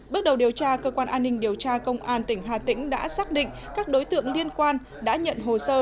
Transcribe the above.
bước đầu điều tra cơ quan an ninh điều tra công an tỉnh hà tĩnh đã xác định các đối tượng liên quan đã nhận hồ sơ